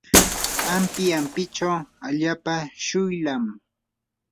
ampi ampichaw allaapa shuylam.